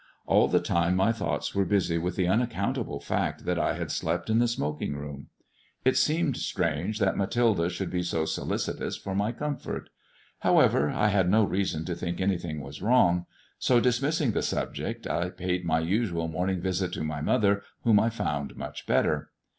All the time my thoughts were busy with the unaccountable fact that I had slept in the smoking room. It seemed strange that Mathilde should be so solicitous for my comfort. However, I had no reason to think anything was wrong ; so, dismissing the subject, I paid my usual morning visit to my mother, whom I found much better.